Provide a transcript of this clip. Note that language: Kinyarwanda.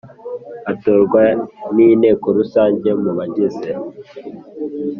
Atorwa n Inteko Rusange mu bagize